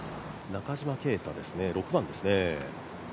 中島啓太ですね、６番ですね。